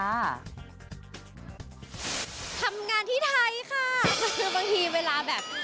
บางทีเวลาแบบ